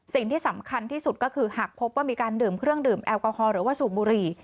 สิ่งที่สำคัญที่สุดก็คือหากพบว่ามีการดื่มเครื่องดื่มแอลกอฮอลหรือว่าสูบบุหรี่